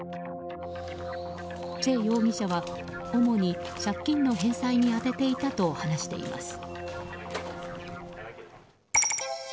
チェ容疑者は、主に借金の返済に充てていたと話しています。